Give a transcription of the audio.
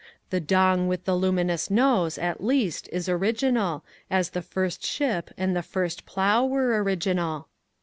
" The Dong with the Luminous Nose," at least, is original, as the first ship and the first plough were original.